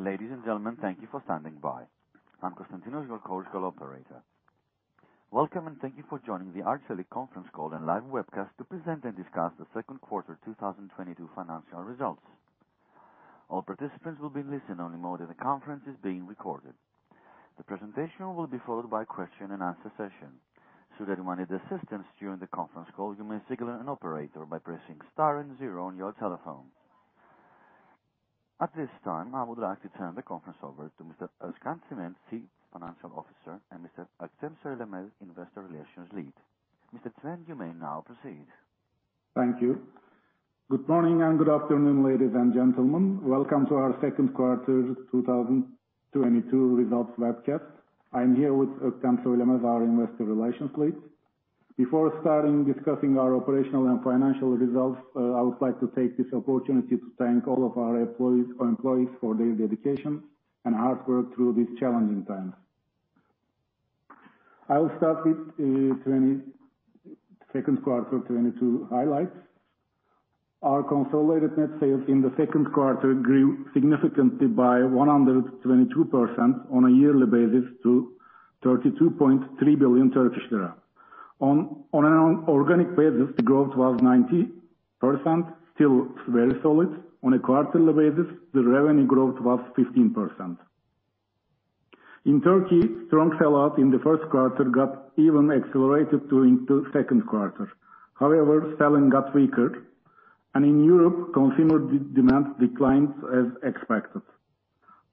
Ladies and gentlemen, thank you for standing by. I'm Konstantinos, your Chorus Call operator. Welcome, and thank you for joining the Arçelik conference call and live webcast to present and discuss the second quarter 2022 financial results. All participants will be in listen-only mode, and the conference is being recorded. The presentation will be followed by question and answer session. Should you require any assistance during the conference call, you may signal an operator by pressing star and zero on your telephone. At this time, I would like to turn the conference over to Mr. Özkan Çimen, Chief Financial Officer, and Mr. Öktem Söylemez, Investor Relations Lead. Mr. Çimen, you may now proceed. Thank you. Good morning and good afternoon, ladies and gentlemen. Welcome to our second quarter 2022 results webcast. I'm here with Öktem Söylemez, our Investor Relations Lead. Before starting discussing our operational and financial results, I would like to take this opportunity to thank all of our employees for their dedication and hard work through these challenging times. I will start with second quarter 2022 highlights. Our consolidated net sales in the second quarter grew significantly by 122% on a yearly basis to 32.3 billion Turkish lira. On an organic basis, the growth was 90%, still very solid. On a quarterly basis, the revenue growth was 15%. In Turkey, strong sell-out in the first quarter got even accelerated during the second quarter. However, sell-in got weaker, and in Europe, consumer demand declined as expected.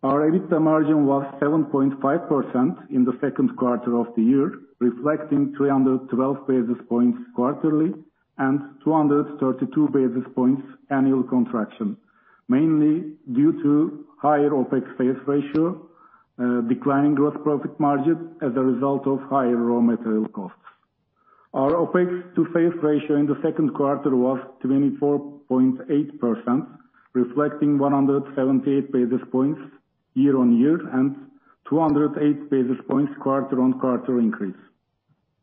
Our EBITDA margin was 7.5% in the second quarter of the year, reflecting 312 basis points quarterly and 232 basis points annual contraction. Mainly due to higher OpEx sales ratio, declining gross profit margin as a result of higher raw material costs. Our OpEx to sales ratio in the second quarter was 24.8%, reflecting 178 basis points year on year and 208 basis points quarter on quarter increase.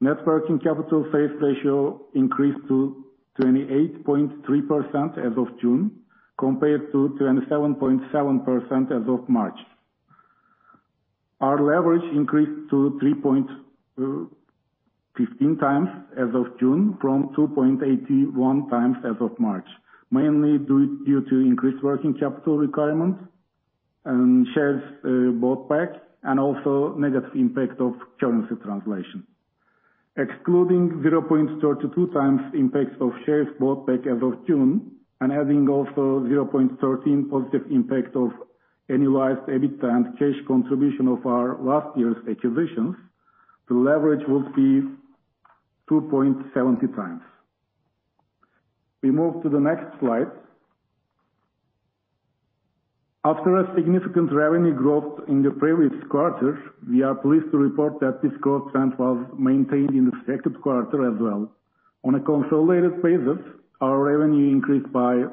Net working capital sales ratio increased to 28.3% as of June, compared to 27.7% as of March. Our leverage increased to 3.15 times as of June from 2.81 times as of March. Mainly due to increased working capital requirements and shares bought back, and also negative impact of currency translation. Excluding 0.32 times impact of shares bought back as of June and adding also 0.13 positive impact of annualized EBITDA and cash contribution of our last year's acquisitions, the leverage will be 2.70 times. We move to the next slide. After a significant revenue growth in the previous quarters, we are pleased to report that this growth trend was maintained in the second quarter as well. On a consolidated basis, our revenue increased by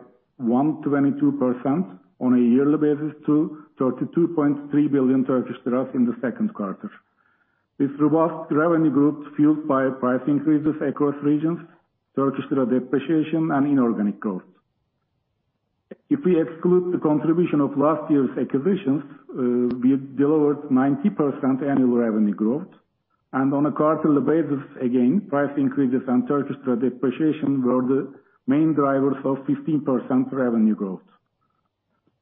122% on a yearly basis to TRY 32.3 billion in the second quarter. This robust revenue growth fueled by price increases across regions, Turkish lira depreciation, and inorganic growth. If we exclude the contribution of last year's acquisitions, we delivered 90% annual revenue growth. On a quarterly basis, again, price increases and Turkish lira depreciation were the main drivers of 15% revenue growth.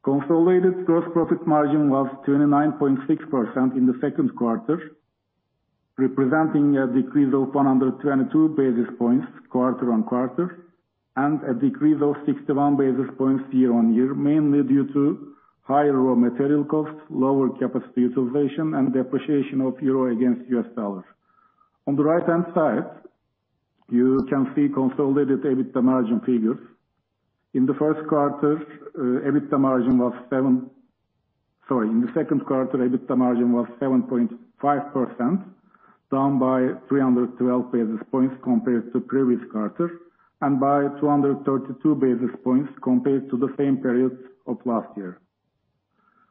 Consolidated gross profit margin was 29.6% in the second quarter, representing a decrease of 122 basis points quarter-on-quarter, and a decrease of 61 basis points year-on-year, mainly due to higher raw material costs, lower capacity utilization, and depreciation of euro against US dollar. On the right-hand side, you can see consolidated EBITDA margin figures. In the second quarter, EBITDA margin was 7.5%, down by 312 basis points compared to previous quarter and by 232 basis points compared to the same period of last year.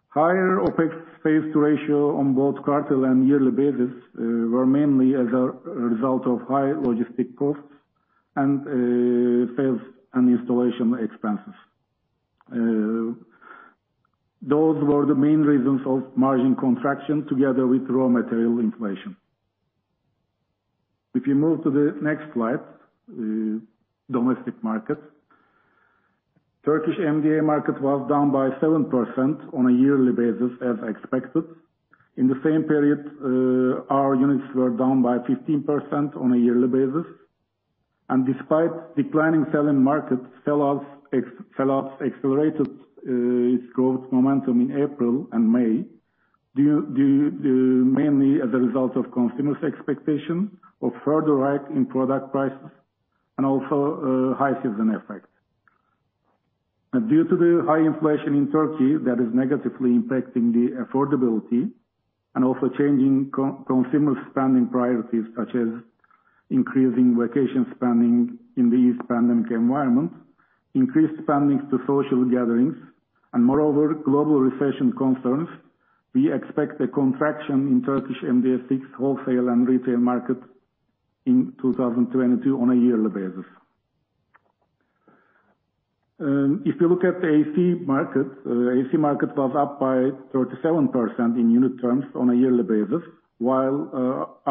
Higher OpEx sales ratio on both quarter and yearly basis were mainly as a result of high logistic costs and sales and installation expenses. Those were the main reasons of margin contraction together with raw material inflation. If you move to the next slide, domestic market. Turkish MDA market was down by 7% on a yearly basis, as expected. In the same period, our units were down by 15% on a yearly basis. Despite declining sell-in markets, sell-out accelerated its growth momentum in April and May due mainly as a result of consumers' expectation of further hike in product prices and also high season effect. Due to the high inflation in Turkey that is negatively impacting the affordability and also changing consumer spending priorities, such as increasing vacation spending in this pandemic environment, increased spending to social gatherings, and moreover, global recession concerns, we expect a contraction in Turkish MDA6 wholesale and retail market in 2022 on a yearly basis. If you look at the A/C market, A/C market was up by 37% in unit terms on a yearly basis, while,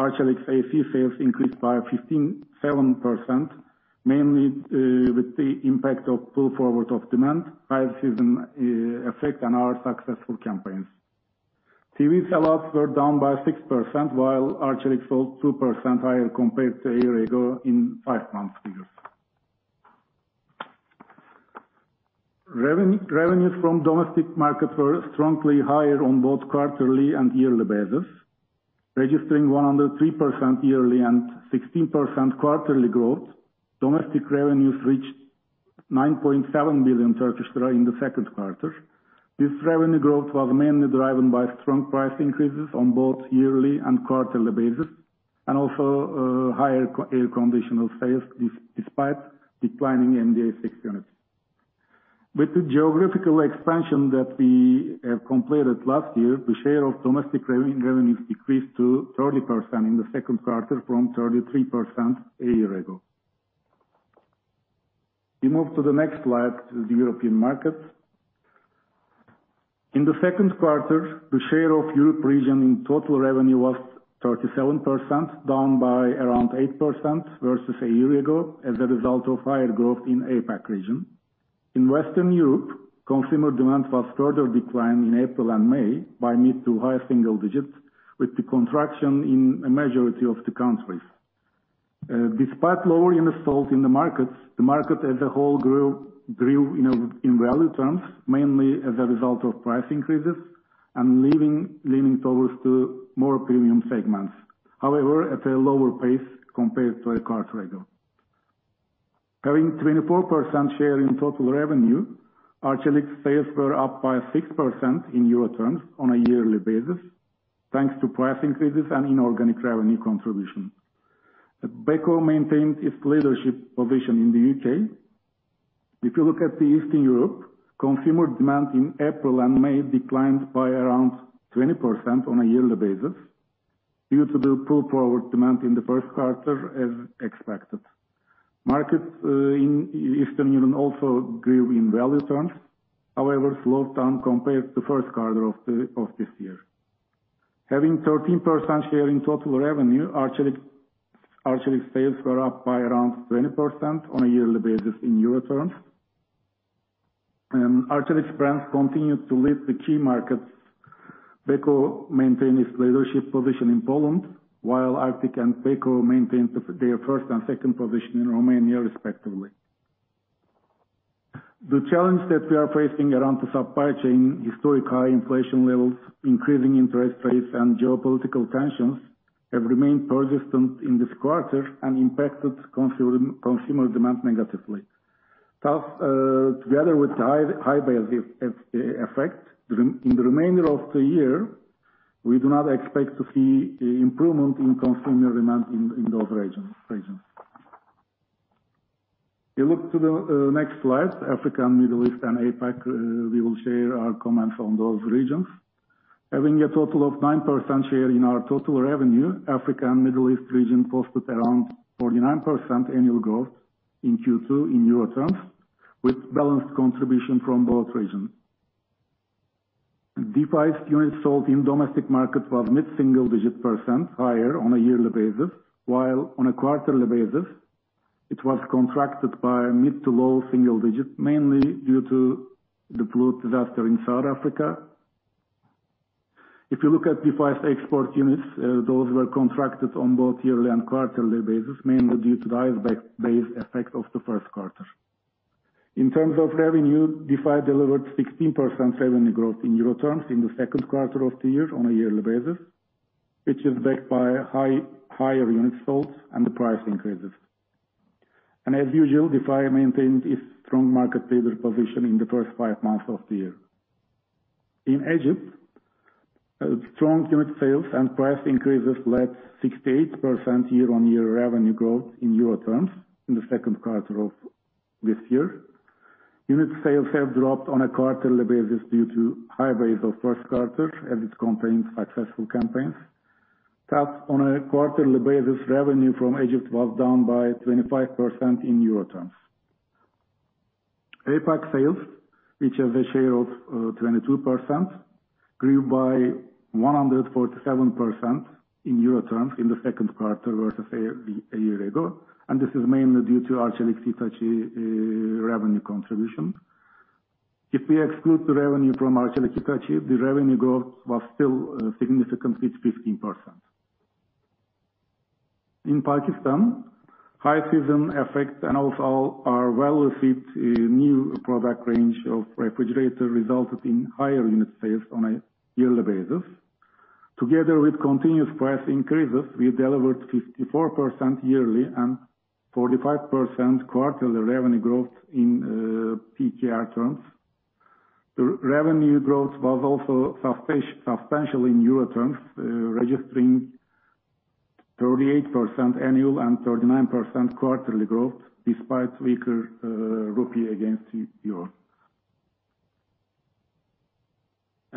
Arçelik's AC sales increased by 57%, mainly, with the impact of pull forward of demand, high season, effect on our successful campaigns. TV sellouts were down by 6% while Arçelik sold 2% higher compared to a year ago in 5 months figures. Revenues from domestic markets were strongly higher on both quarterly and yearly basis, registering 103% yearly and 16% quarterly growth. Domestic revenues reached TRY 9.7 billion in the second quarter. This revenue growth was mainly driven by strong price increases on both yearly and quarterly basis, and also higher air conditioner sales despite declining MDA six units. With the geographical expansion that we have completed last year, the share of domestic revenues decreased to 30% in the second quarter from 33% a year ago. We move to the next slide, the European market. In the second quarter, the share of Europe region in total revenue was 37%, down by around 8% versus a year ago as a result of higher growth in APAC region. In Western Europe, consumer demand was further declined in April and May by mid- to high-single-digit % with the contraction in a majority of the countries. Despite lower units sold in the markets, the market as a whole grew, you know, in value terms, mainly as a result of price increases and leaning towards to more premium segments, however, at a lower pace compared to a quarter ago. Having 24% share in total revenue, Arçelik's sales were up by 6% in EUR terms on a yearly basis, thanks to price increases and inorganic revenue contribution. Beko maintained its leadership position in the U.K. If you look at Eastern Europe, consumer demand in April and May declined by around 20% on a yearly basis due to the pull-forward demand in the first quarter as expected. Markets in Eastern Europe also grew in value terms, however, slowed down compared to first quarter of this year. Having 13% share in total revenue, Arçelik sales were up by around 20% on a yearly basis in euro terms. Arçelik's brands continued to lead the key markets. Beko maintained its leadership position in Poland, while Arctic and Beko maintained their first and second position in Romania, respectively. The challenge that we are facing around the supply chain, historic high inflation levels, increasing interest rates and geopolitical tensions have remained persistent in this quarter and impacted consumer demand negatively. Thus, together with the high base effect in the remainder of the year, we do not expect to see improvement in consumer demand in those regions. You look to the next slide, Africa and Middle East and APAC, we will share our comments on those regions. Having a total of 9% share in our total revenue, Africa and Middle East region posted around 49% annual growth in Q2 in euro terms with balanced contribution from both regions. Defy's units sold in domestic market was mid-single digit % higher on a yearly basis, while on a quarterly basis it was contracted by mid- to low-single digit, mainly due to the flood disaster in South Africa. If you look at Defy's export units, those were contracted on both yearly and quarterly basis, mainly due to the high base effect of the first quarter. In terms of revenue, Defy delivered 16% revenue growth in euro terms in the second quarter of the year on a yearly basis, which is backed by higher unit sales and the price increases. As usual, Defy maintained its strong market leader position in the first five months of the year. In Egypt, strong unit sales and price increases led 68% year-on-year revenue growth in euro terms in the second quarter of this year. Unit sales have dropped on a quarterly basis due to high base of first quarter as it contained successful campaigns. Thus, on a quarterly basis, revenue from Egypt was down by 25% in euro terms. APAC sales, which have a share of 22%, grew by 147% in euro terms in the second quarter versus a year ago, and this is mainly due to Arçelik-Hitachi revenue contribution. If we exclude the revenue from Arçelik-Hitachi, the revenue growth was still significant with 15%. In Pakistan, high season effects and also our well-received new product range of refrigerator resulted in higher unit sales on a yearly basis. Together with continuous price increases, we delivered 54% yearly and 45% quarterly revenue growth in PKR terms. Revenue growth was also substantial in euro terms, registering 38% annual and 39% quarterly growth despite weaker rupee against euro.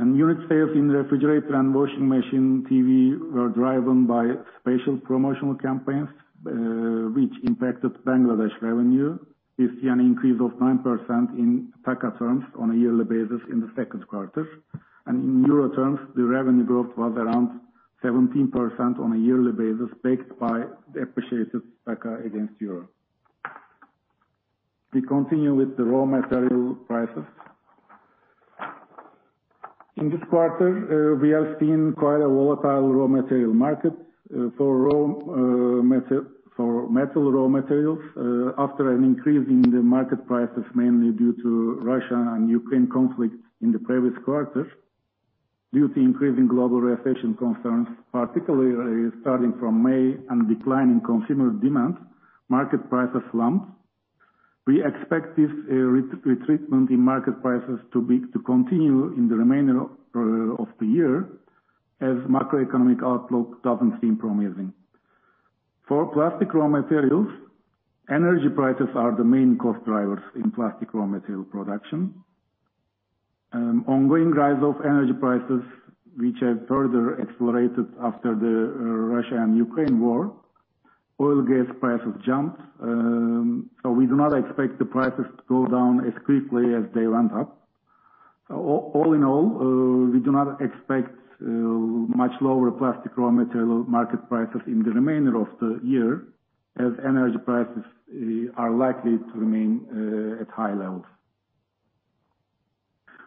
Unit sales in refrigerator and washing machine, TV were driven by special promotional campaigns, which impacted Bangladesh revenue. We see an increase of 9% in taka terms on a yearly basis in the second quarter. In euro terms, the revenue growth was around 17% on a yearly basis backed by the depreciated taka against euro. We continue with the raw material prices. In this quarter, we have seen quite a volatile raw material market for raw material for metal raw materials after an increase in the market prices, mainly due to Russia and Ukraine conflict in the previous quarter. Due to increasing global recession concerns, particularly starting from May and decline in consumer demand, market prices slumped. We expect this retreatment in market prices to continue in the remainder of the year as macroeconomic outlook doesn't seem promising. For plastic raw materials, energy prices are the main cost drivers in plastic raw material production. Ongoing rise of energy prices which have further accelerated after the Russia and Ukraine war, oil and gas prices jumped. We do not expect the prices to go down as quickly as they went up. All in all, we do not expect much lower plastic raw material market prices in the remainder of the year as energy prices are likely to remain at high levels.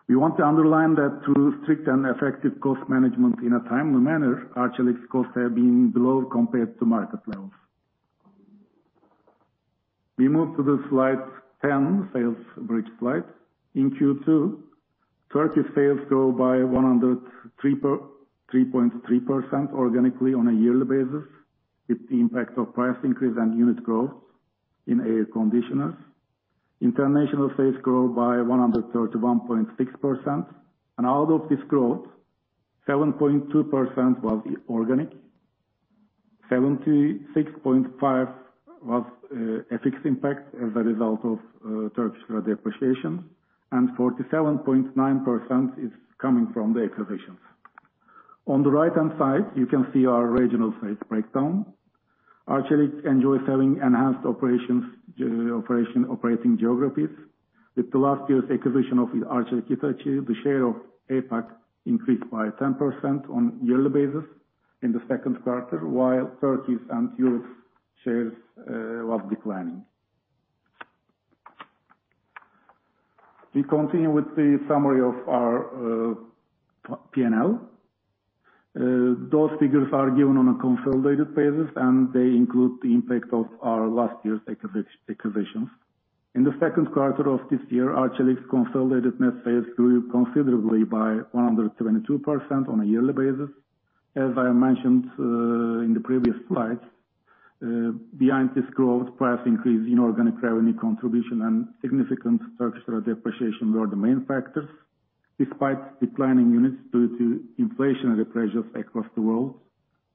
We want to underline that through strict and effective cost management in a timely manner, Arçelik's costs have been low compared to market levels. We move to the Slide 10, sales bridge slide. In Q2, Turkey sales grew by 103.3% organically on a yearly basis with the impact of price increase and unit growth in air conditioners. International sales grew by 131.6%. Out of this growth, 7.2% was organic, 76.5% was a FX impact as a result of Turkish lira depreciation, and 47.9% is coming from the acquisitions. On the right-hand side, you can see our regional sales breakdown. Arçelik enjoys having enhanced operating geographies. With last year's acquisition of Arçelik-Hitachi, the share of APAC increased by 10% on yearly basis in the second quarter, while Turkey and Europe’s shares was declining. We continue with the summary of our P&L. Those figures are given on a consolidated basis, and they include the impact of our last year's acquisitions. In the second quarter of this year, Arçelik's consolidated net sales grew considerably by 122% on a yearly basis. As I mentioned in the previous slides, behind this growth, price increase in organic revenue contribution and significant Turkish lira depreciation were the main factors, despite declining units due to inflationary pressures across the world,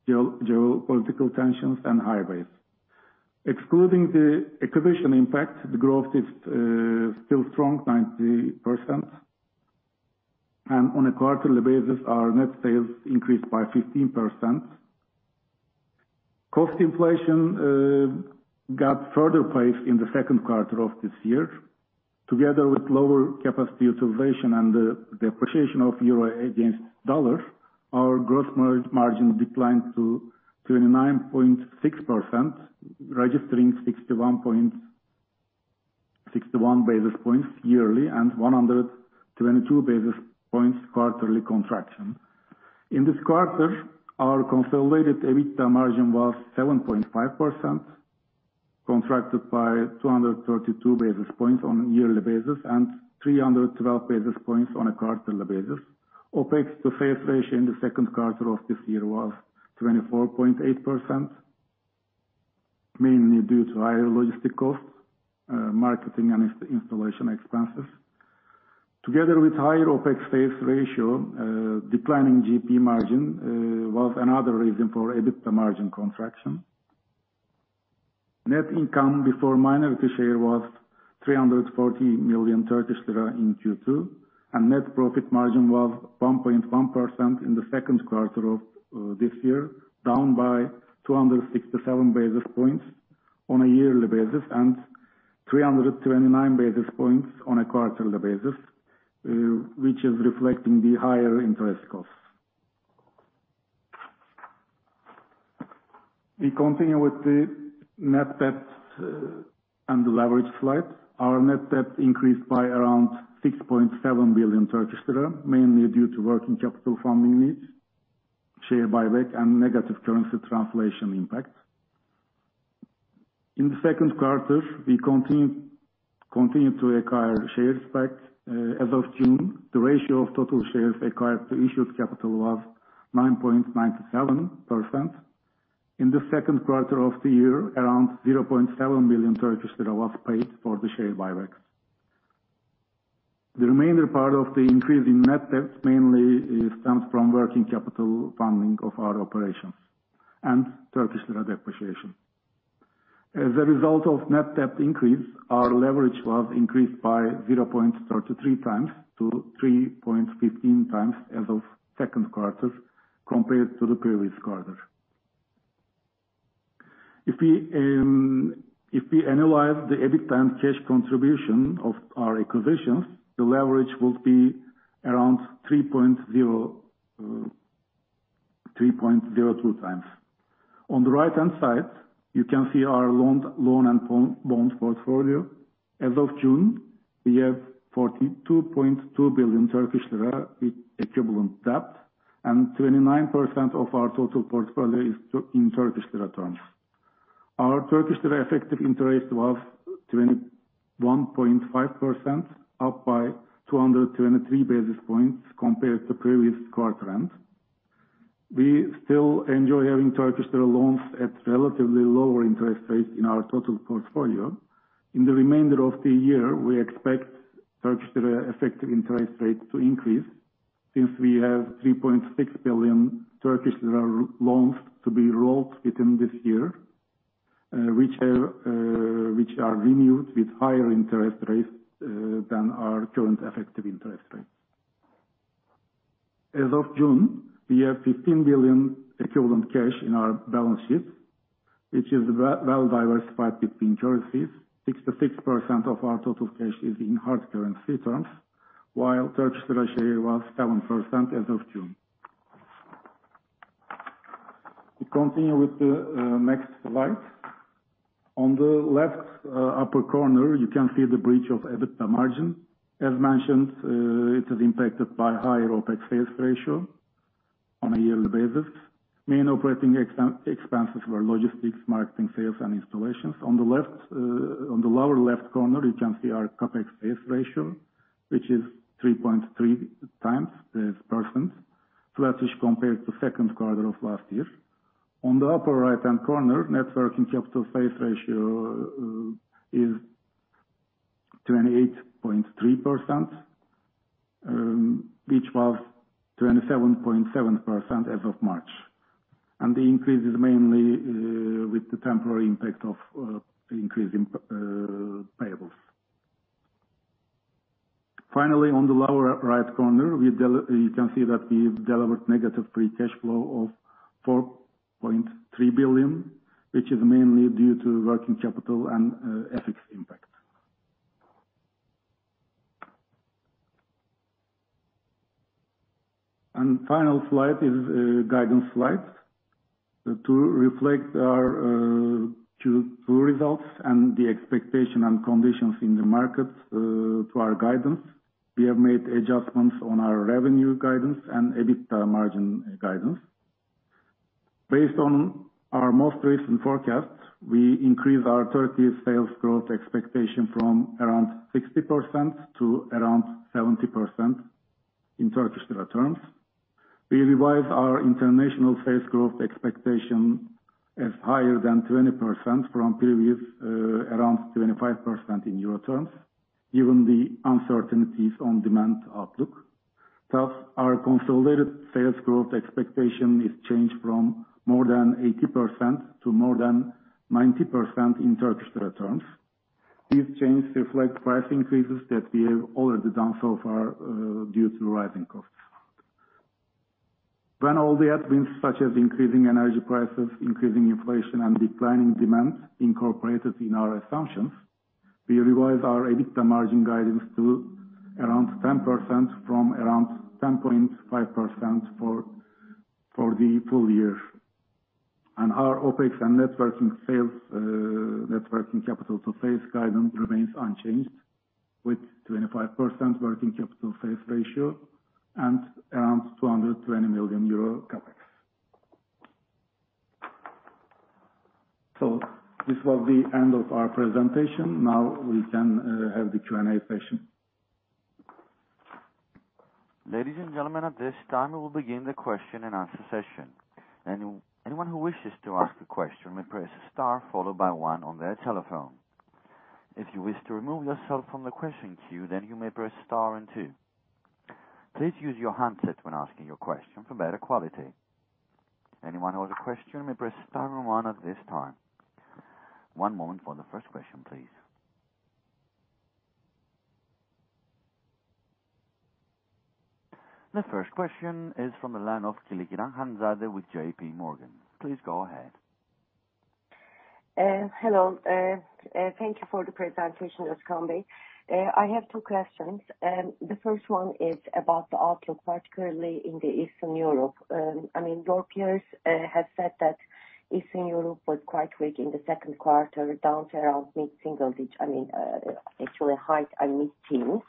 geopolitical tensions and high base. Excluding the acquisition impact, the growth is still strong, 90%. On a quarterly basis, our net sales increased by 15%. Cost inflation got further priced in the second quarter of this year. Together with lower capacity utilization and the depreciation of euro against dollar, our gross margin declined to 29.6%, registering 61 basis points yearly and 122 basis points quarterly contraction. In this quarter, our consolidated EBITDA margin was 7.5%, contracted by 232 basis points on a yearly basis and 312 basis points on a quarterly basis. OpEx to sales ratio in the second quarter of this year was 24.8%, mainly due to higher logistics costs, marketing and installation expenses. Together with higher OpEx sales ratio, declining GP margin, was another reason for EBITDA margin contraction. Net income before minority share was 340 million Turkish lira in Q2, and net profit margin was 1.1% in the second quarter of this year, down by 267 basis points on a yearly basis and 329 basis points on a quarterly basis, which is reflecting the higher interest costs. We continue with the net debt and leverage slide. Our net debt increased by around 6.7 billion Turkish lira, mainly due to working capital funding needs, share buyback, and negative currency translation impact. In the second quarter, we continued to acquire shares back. As of June, the ratio of total shares acquired to issued capital was 9.97%. In the second quarter of the year, around 0.7 billion Turkish lira was paid for the share buybacks. The remaining part of the increase in net debt mainly stems from working capital funding of our operations and Turkish lira depreciation. As a result of net debt increase, our leverage was increased by 0.33x to 3.15x as of second quarter compared to the previous quarter. If we analyze the EBITDA and cash contribution of our acquisitions, the leverage will be around 3.02x. On the right-hand side, you can see our loan and bond portfolio. As of June, we have 42.2 billion Turkish lira equivalent debt, and 29% of our total portfolio is in Turkish lira terms. Our Turkish lira effective interest was 21.5%, up by 223 basis points compared to previous quarter end. We still enjoy having Turkish lira loans at relatively lower interest rates in our total portfolio. In the remainder of the year, we expect Turkish lira effective interest rate to increase since we have 3.6 billion Turkish lira loans to be rolled within this year, which are renewed with higher interest rates than our current effective interest rates. As of June, we have 15 billion equivalent cash in our balance sheet, which is well diversified between currencies. 66% of our total cash is in hard currency terms, while Turkish lira share was 7% as of June. We continue with the next slide. On the left upper corner, you can see the bridge of EBITDA margin. As mentioned, it is impacted by higher OpEx sales ratio on a yearly basis. Main operating expenses were logistics, marketing, sales and installations. On the lower left corner you can see our CapEx sales ratio which is 3.3%, flat-ish compared to second quarter of last year. On the upper right-hand corner, net working capital sales ratio is 28.3%, which was 27.7% as of March. The increase is mainly with the temporary impact of increase in payables. Finally, on the lower right corner, you can see that we've delivered negative free cash flow of 4.3 billion, which is mainly due to working capital and FX impact. Final slide is guidance slide. To reflect our Q2 results and the expectation and conditions in the market, to our guidance, we have made adjustments on our revenue guidance and EBITDA margin guidance. Based on our most recent forecast, we increased our Turkish sales growth expectation from around 60% to around 70% in Turkish lira terms. We revised our international sales grew expectation as higher than 20% from previous around 25% in euro terms, given the uncertainties on demand outlook. Thus, our consolidated sales growth expectation is changed from more than 80% to more than 90% in Turkish lira terms. These changes reflect price increases that we have already done so far due to rising costs. When all the headwinds such as increasing energy prices, increasing inflation and declining demand incorporated in our assumptions, we revised our EBITDA margin guidance to around 10% from around 10.5% for the full year. Our OpEx and net working capital to sales guidance remains unchanged with 25% working capital sales ratio and around 220 million euro CapEx. This was the end of our presentation. Now we can have the Q&A session. Ladies and gentlemen, at this time we will begin the question and answer session. Anyone who wishes to ask a question may press star followed by one on their telephone. If you wish to remove yourself from the question queue, then you may press star and two. Please use your handset when asking your question for better quality. Anyone who has a question may press star and one at this time. One moment for the first question, please. The first question is from the line of Hanzade Kılıçkıran with JPMorgan. Please go ahead. Hello. Thank you for the presentation, Özkan Bey. I have two questions. The first one is about the outlook, particularly in Eastern Europe. I mean, your peers have said that Eastern Europe was quite weak in the second quarter, down to around, I mean, actually high and mid-teens.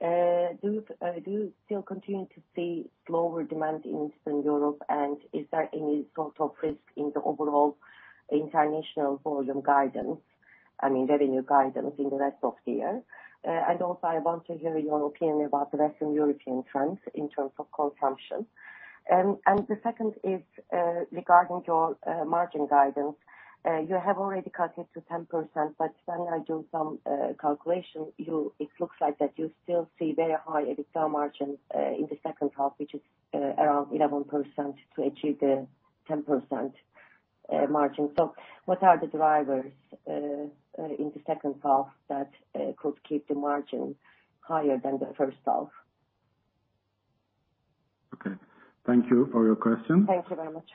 Do you still continue to see lower demand in Eastern Europe? Is there any sort of risk in the overall international volume guidance, I mean, revenue guidance in the rest of the year? Also I want to hear your opinion about the Western European trends in terms of consumption. The second is regarding your margin guidance. You have already cut it to 10%, but when I do some calculation, it looks like that you still see very high EBITDA margin in the second half, which is around 11% to achieve the 10% margin. What are the drivers in the second half that could keep the margin higher than the first half? Okay, thank you for your question. Thank you very much.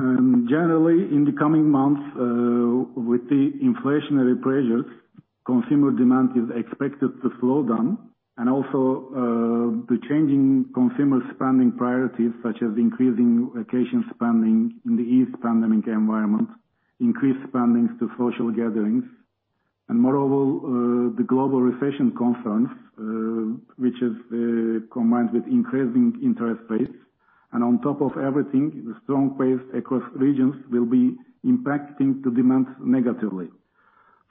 Generally, in the coming months, with the inflationary pressures, consumer demand is expected to slow down. Also, the changing consumer spending priorities, such as increasing vacation spending in the post-pandemic environment, increased spending on social gatherings. Moreover, the global recession concerns, which is combined with increasing interest rates. On top of everything, the strong base across regions will be impacting the demand negatively.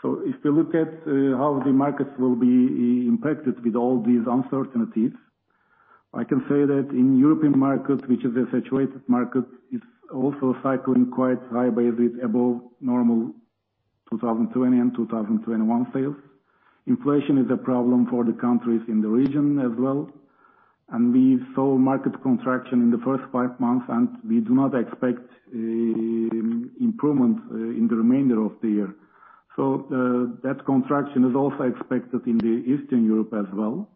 If you look at how the markets will be impacted with all these uncertainties, I can say that in European markets, which is a saturated market, is also coming off quite high bases above normal 2020 and 2021 sales. Inflation is a problem for the countries in the region as well. We saw market contraction in the first five months, and we do not expect an improvement in the remainder of the year. That contraction is also expected in Eastern Europe as well.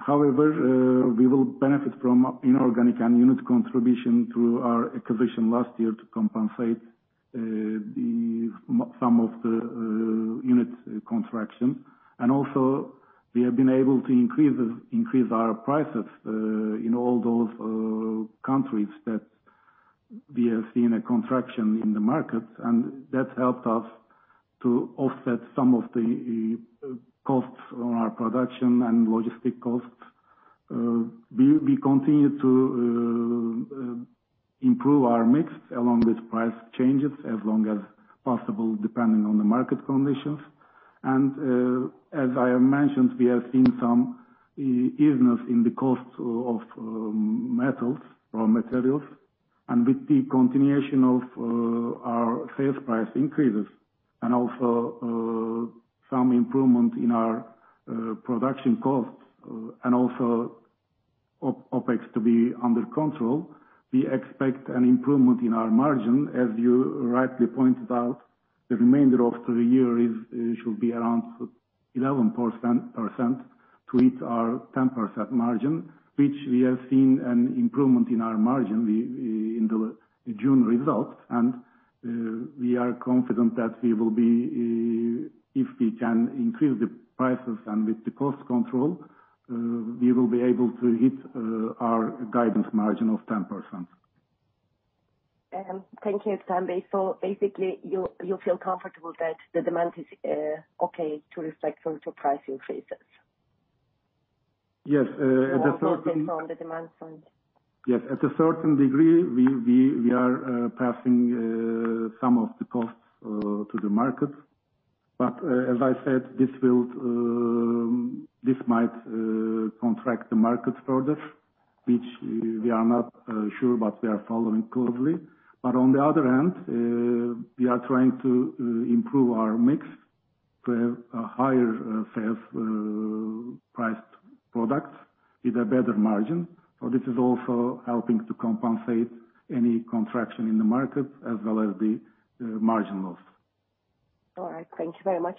However, we will benefit from inorganic and unit contribution through our acquisition last year to compensate some of the units contractions. We also have been able to increase our prices in all those countries that we have seen a contraction in the markets. That's helped us to offset some of the costs on our production and logistic costs. We continue to improve our mix along with price changes as long as possible, depending on the market conditions. As I have mentioned, we have seen some evenness in the costs of metals or materials. With the continuation of our sales price increases and also some improvement in our production costs and also OpEx to be under control, we expect an improvement in our margin. As you rightly pointed out, the remainder of the year should be around 11% to hit our 10% margin, which we have seen an improvement in our margin in the June results. We are confident that we will be if we can increase the prices and with the cost control we will be able to hit our guidance margin of 10%. Thank you, Özkan Bey. Basically, you feel comfortable that the demand is okay to reflect on to price increases? Yes. At a certain. More focus on the demand front. Yes. At a certain degree, we are passing some of the costs to the market. As I said, this might contract the market further, which we are not sure, but we are following closely. On the other hand, we are trying to improve our mix to have a higher sales priced products with a better margin. This is also helping to compensate any contraction in the market as well as the margin loss. All right. Thank you very much.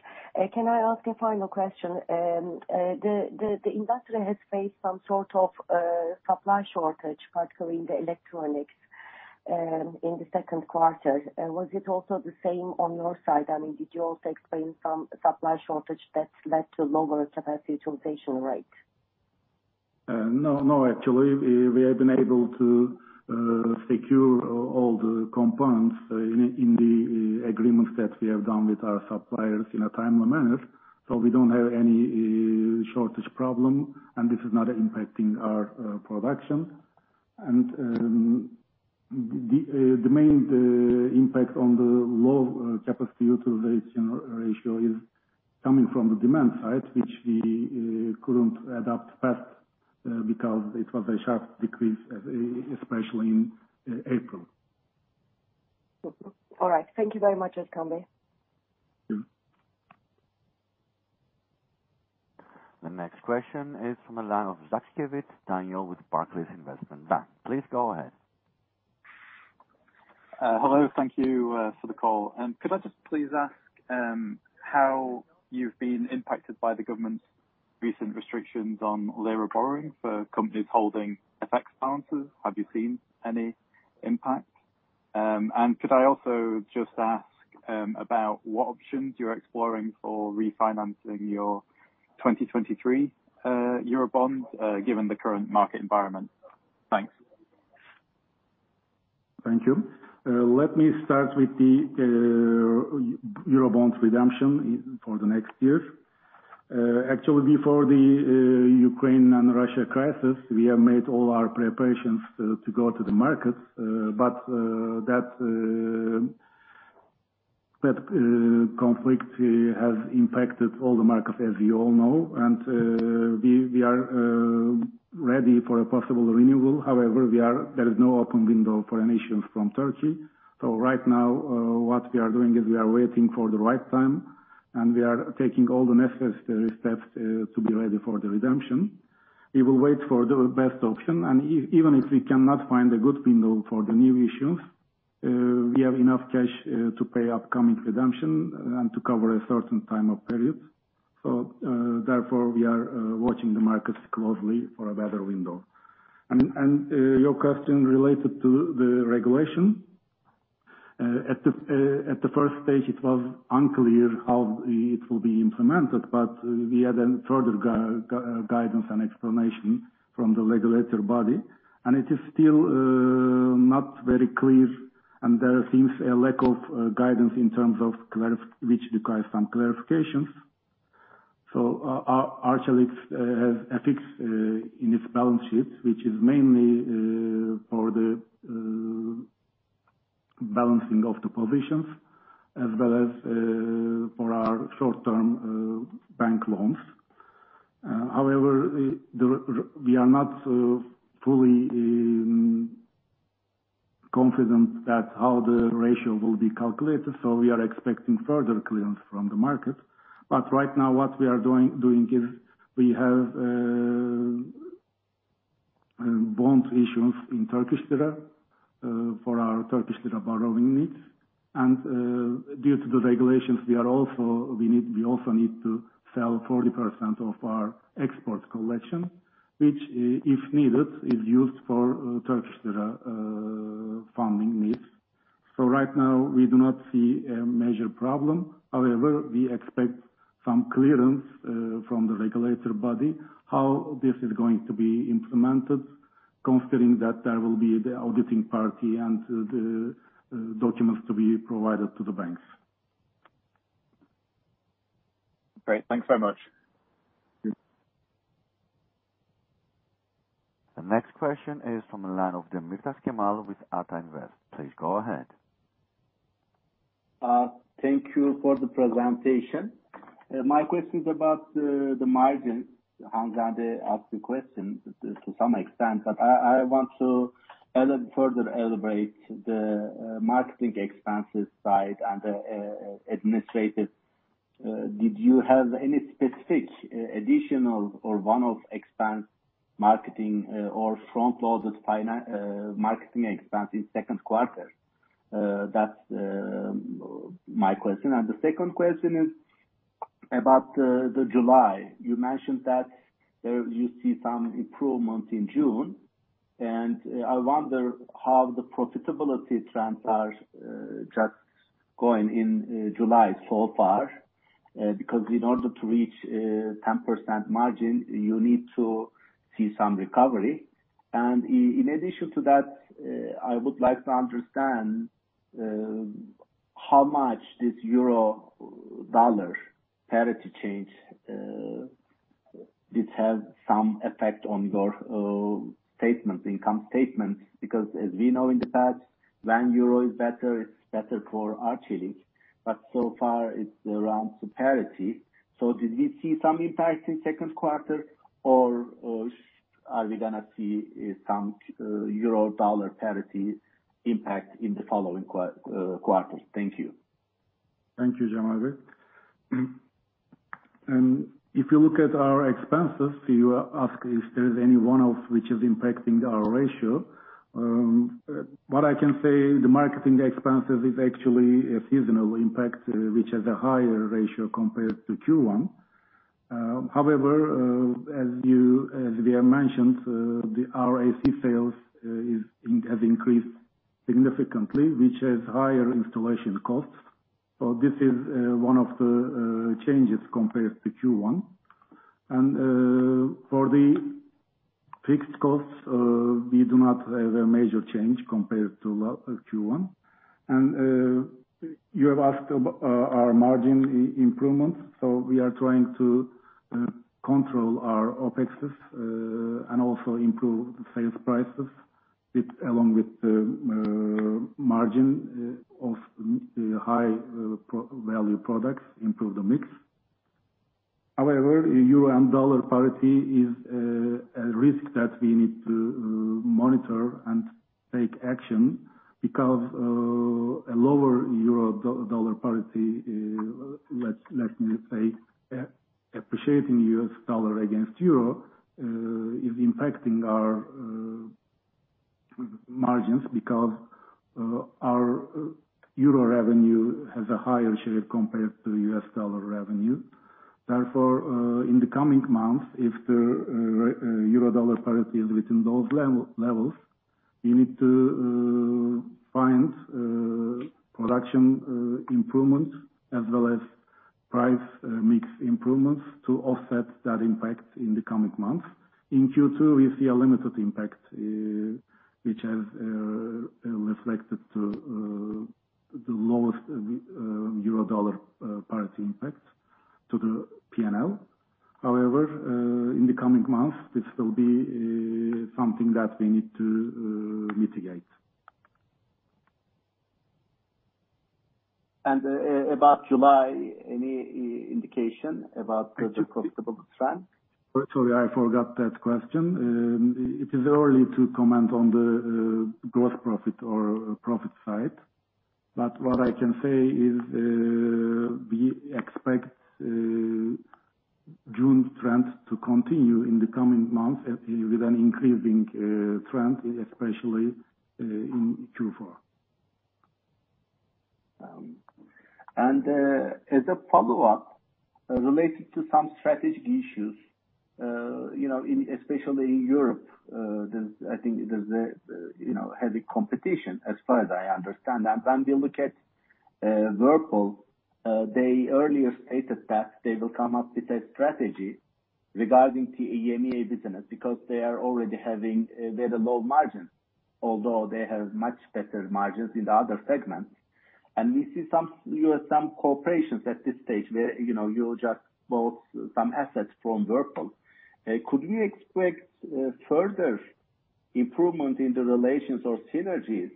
Can I ask a final question? The industry has faced some sort of supply shortage, particularly in the electronics, in the second quarter. Was it also the same on your side? I mean, did you also experience some supply shortage that led to lower capacity utilization rate? No, actually, we have been able to secure all the components in the agreements that we have done with our suppliers in a timely manner. We don't have any shortage problem, and this is not impacting our production. The main impact on the low capacity utilization ratio is coming from the demand side, which we couldn't adapt fast because it was a sharp decrease, especially in April. All right. Thank you very much, Özkan Bey. The next question is from the line of Daniel Zaczkiewicz with Barclays Investment Bank. Please go ahead. Hello. Thank you for the call. Could I just please ask how you've been impacted by the government's recent restrictions on lira borrowing for companies holding FX balances? Have you seen any impact? Could I also just ask about what options you're exploring for refinancing your 2023 Eurobond given the current market environment? Thanks. Thank you. Let me start with the Eurobond redemption for the next year. Actually, before the Ukraine and Russia crisis, we have made all our preparations to go to the markets. That conflict has impacted all the markets, as you all know. We are ready for a possible renewal. However, there is no open window for any issues from Turkey. Right now, what we are doing is we are waiting for the right time, and we are taking all the necessary steps to be ready for the redemption. We will wait for the best option. Even if we cannot find a good window for the new issues, we have enough cash to pay upcoming redemption and to cover a certain period of time. Therefore we are watching the markets closely for a better window. Your question related to the regulation. At the first stage it was unclear how it will be implemented. We had a further guidance and explanation from the regulatory body. It is still not very clear, and there seems a lack of guidance in terms of which requires some clarifications. Our Arçelik has FX in its balance sheet, which is mainly for the balancing of the provisions, as well as for our short-term bank loans. However, we are not fully confident that how the ratio will be calculated. We are expecting further clearance from the market. Right now what we are doing is we have bond issuance in Turkish lira for our Turkish lira borrowing needs. Due to the regulations, we also need to sell 40% of our export collection, which if needed is used for Turkish lira funding needs. Right now we do not see a major problem. However, we expect some clearance from the regulatory body how this is going to be implemented, considering that there will be the auditing party and the documents to be provided to the banks. Great. Thanks so much. Yes. The next question is from the line of Cemal Demirtaş with Ata Invest. Please go ahead. Thank you for the presentation. My question is about the margin. Hanzade asked the question to some extent, but I want to further elaborate the marketing expenses side and the administrative. Did you have any specific additional or one-off expense marketing or front loaded marketing expense in second quarter? That's my question. The second question is about July. You mentioned that you see some improvement in June, and I wonder how the profitability trends are just going into July so far. Because in order to reach 10% margin, you need to see some recovery. In addition to that, I would like to understand how much this euro-dollar parity change it has some effect on your income statement. Because as we know in the past, when euro is better, it's better for Arçelik. So far it's around parity. Did you see some impact in second quarter or are we gonna see some euro dollar parity impact in the following quarter? Thank you. Thank you, Cemal Demirtaş. If you look at our expenses, you ask if there is any one of which is impacting our ratio. What I can say, the marketing expenses is actually a seasonal impact, which has a higher ratio compared to Q1. However, as we have mentioned, the RAC sales has increased significantly, which has higher installation costs. This is one of the changes compared to Q1. For the fixed costs, we do not have a major change compared to Q1. You have asked about our margin improvement. We are trying to control our OpExes and also improve sales prices along with the margin of the high-value products, improve the mix. However, euro-dollar parity is a risk that we need to monitor and take action. Because a lower euro-dollar parity, let me say, appreciating US dollar against euro is impacting our margins because our euro revenue has a higher share compared to US dollar revenue. Therefore, in the coming months, if the euro-dollar parity is within those levels, we need to find production improvement as well as price mix improvements to offset that impact in the coming months. In Q2, we see a limited impact, which has reflected in the lowest euro-dollar parity impact to the P&L. However, in the coming months, this will be something that we need to mitigate. About July, any indication about the profitable trend? Sorry, I forgot that question. It is early to comment on the gross profit or profit side. What I can say is, we expect June's trend to continue in the coming months with an increasing trend especially in Q4. As a follow-up related to some strategic issues, you know, especially in Europe, there's, I think, heavy competition as far as I understand. When we look at Whirlpool, they earlier stated that they will come up with a strategy regarding the EMEA business because they are already having low margin, although they have much better margins in the other segments. We see some, you know, some cooperation at this stage where, you know, you just bought some assets from Whirlpool. Could we expect further improvement in the relations or synergies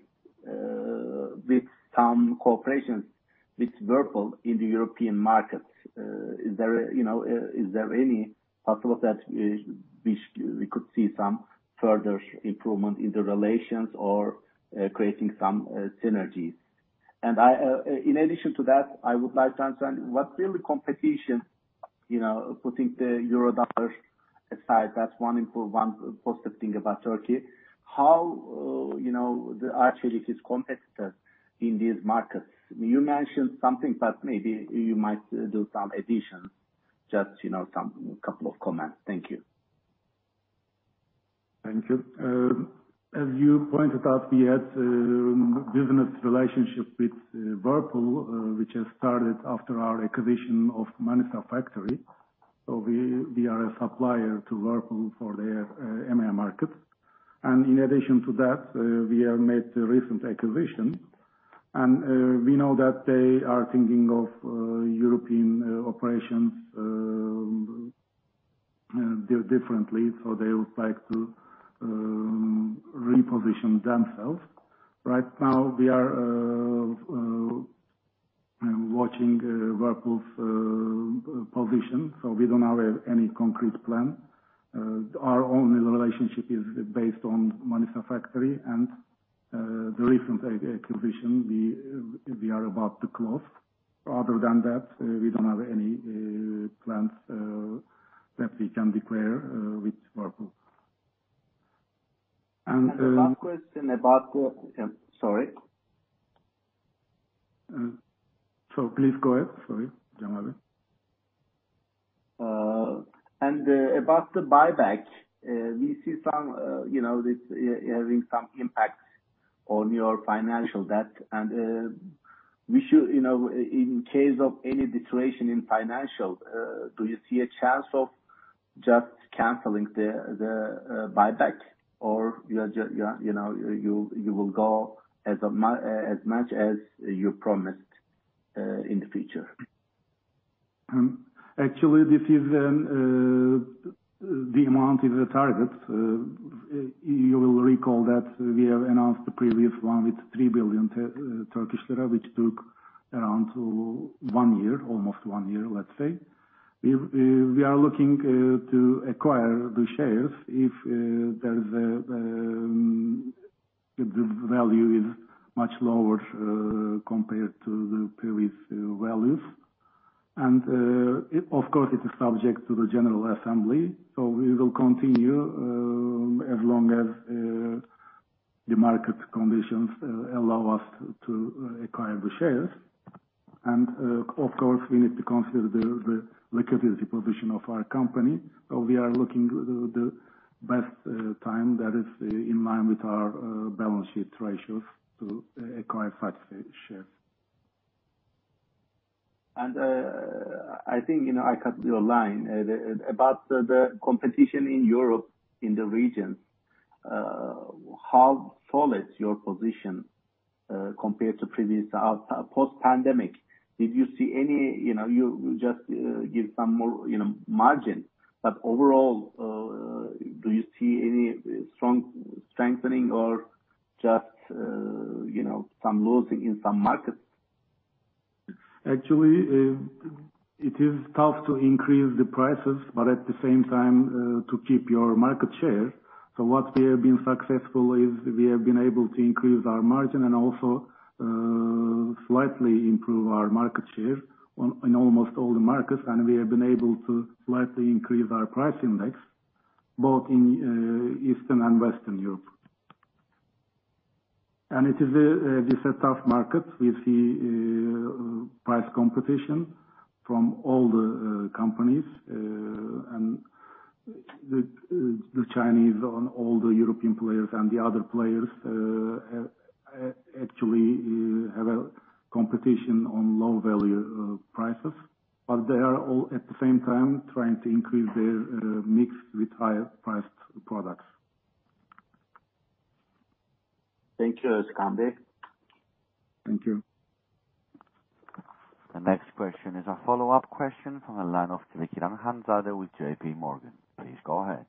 with some cooperation with Whirlpool in the European markets? Is there, you know, any possibility that we could see some further improvement in the relations or creating some synergies? I, in addition to that, I would like to understand what will be competition, you know, putting the euro-dollar aside, that's one important positive thing about Turkey. How, you know, Arçelik's competitors in these markets? You mentioned something, but maybe you might do some addition. Just, you know, some couple of comments. Thank you. Thank you. As you pointed out, we had business relationship with Whirlpool, which has started after our acquisition of Manisa factory. We are a supplier to Whirlpool for their EMEA market. In addition to that, we have made recent acquisition. We know that they are thinking of European operations differently. They would like to reposition themselves. Right now, we are watching Whirlpool's position, so we don't have any concrete plan. Our only relationship is based on Manisa factory and the recent acquisition we are about to close. Other than that, we don't have any plans that we can declare with Whirlpool. The last question. Sorry. Please go ahead. Sorry, Cemal. about the buyback, we see some, you know, this having some impact on your financial debt. We should, you know, in case of any deterioration in financial, do you see a chance of just canceling the buyback or you just, you know, you will go as much as you promised in the future? Actually this is the amount is the target. You will recall that we have announced the previous one with 3 billion Turkish lira which took around one year, almost one year, let's say. We are looking to acquire the shares if the value is much lower compared to the previous values. It of course it's subject to the general assembly. We will continue as long as the market conditions allow us to acquire the shares. Of course, we need to consider the liquidity position of our company. We are looking the best time that is in line with our balance sheet ratios to acquire such shares. I think, you know, I cut your line. About the competition in Europe, in the region, how solid is your position compared to previous post pandemic? Did you see any, you know, you just give some more, you know, margin. Overall, do you see any strong strengthening or just, you know, some losing in some markets? Actually, it is tough to increase the prices, but at the same time, to keep your market share. What we have been successful is we have been able to increase our margin and also, slightly improve our market share in almost all the markets. We have been able to slightly increase our price index both in Eastern and Western Europe. It is a tough market. We see price competition from all the companies and the Chinese and all the European players and the other players actually have a competition on low value prices. They are all at the same time trying to increase their mix with higher priced products. Thank you, Özkan Bey. Thank you. The next question is a follow-up question from the line of Hanzade Kılıçkıran with J.P. Morgan. Please go ahead.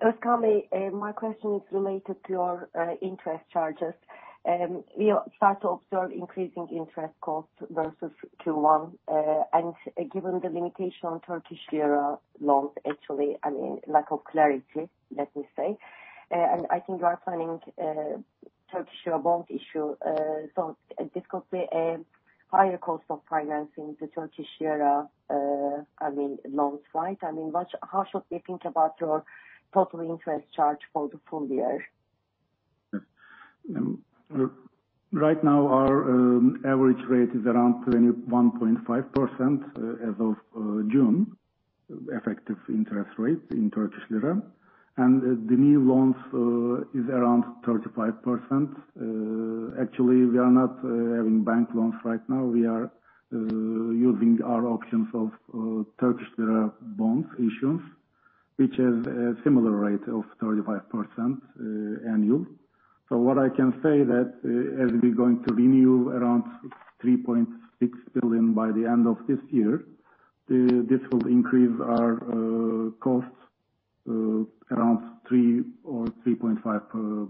Özkan Bey, my question is related to your interest charges. We start to observe increasing interest costs versus Q1. Given the limitation on Turkish lira loans, actually, I mean, lack of clarity, let me say. I think you are planning Turkish bond issue. This could be a higher cost of financing the Turkish lira. I mean, loans, right? I mean, how should we think about your total interest charge for the full year? Yes. Right now our average rate is around 21.5%, as of June. Effective interest rate in Turkish lira. The new loans is around 35%. Actually, we are not having bank loans right now. We are using our options of Turkish lira bond issues, which has a similar rate of 35%, annual. What I can say that as we're going to renew around 3.6 billion by the end of this year, this will increase our costs around 350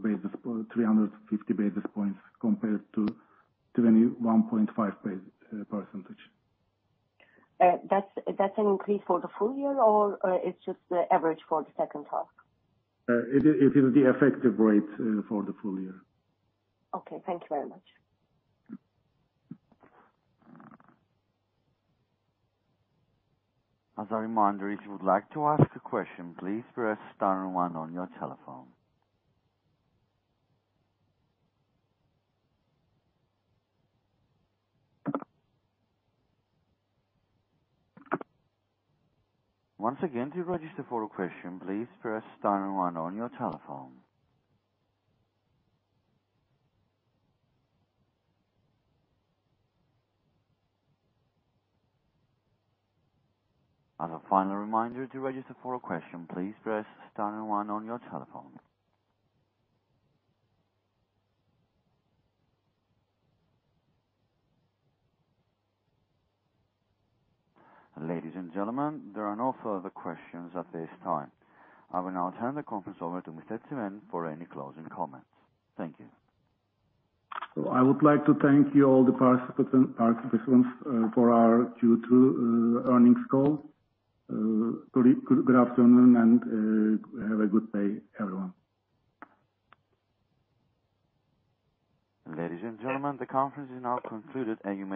basis points compared to 21.5%. That's an increase for the full year or it's just the average for the second half? It will be effective rate for the full year. Okay, thank you very much. As a reminder, if you would like to ask a question, please press star one on your telephone. Once again, to register for a question, please press star one on your telephone. As a final reminder, to register for a question, please press star one on your telephone. Ladies and gentlemen, there are no further questions at this time. I will now turn the conference over to Mr. Özkan Çimen for any closing comments. Thank you. I would like to thank you all the participants for our Q2 earnings call. Good afternoon and have a good day everyone. Ladies and gentlemen, the conference is now concluded and you may.